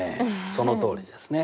そのとおりですね。